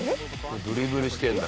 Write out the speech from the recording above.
ドリブルしてんだ。